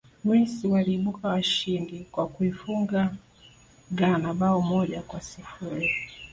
misri waliibuka washindi kwa kuifunga ghana bao moja kwa sifuri